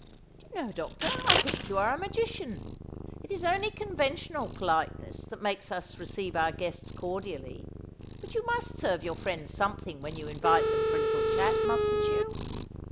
"Do you know, doctor, I think you are a magician! It's only conventional politeness that makes us receive our guests cordially. But you must serve your friends something when you invite them for a little chat, mustn't you?"